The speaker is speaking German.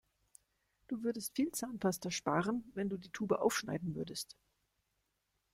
Du würdest viel Zahnpasta sparen, wenn du die Tube aufschneiden würdest.